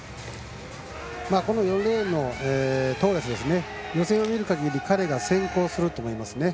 ４レーンのトーレス予選を見るかぎり彼が先行すると思いますね。